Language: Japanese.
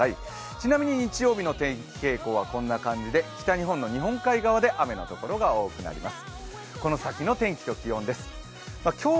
ちなみに日曜日の天気傾向はこんな感じで北日本の日本海側で雨のところが多くなります。